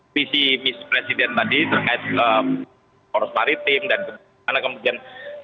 visi misi presiden tadi terkait poros maritim dan kemudian